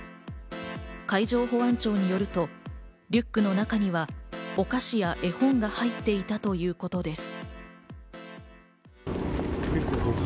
海上保安庁によると、リュックの中にはお菓子や絵本が入っていたということです。